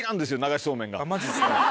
あっマジっすか？